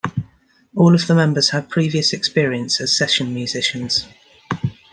All of the members had previous experience as session musicians.